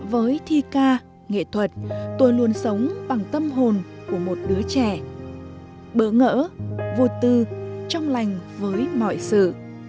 với thi ca nghệ thuật tôi luôn sống bằng tâm hồn của một đứa trẻ bỡ ngỡ vô tư trong lành với mọi sự